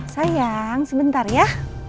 sayang sebentar ya